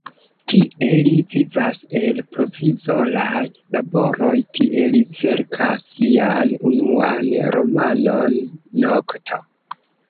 Tie li vivas el provizoraj laboroj, tie li verkas sian unuan romanon "Nokto".